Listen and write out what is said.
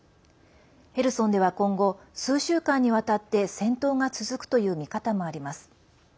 ヘルソンでは今後数週間にわたって戦闘が続くという見方もあります。